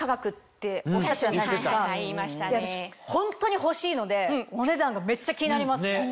私ホントに欲しいのでお値段がめっちゃ気になりますね。